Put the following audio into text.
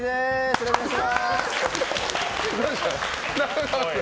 よろしくお願いします！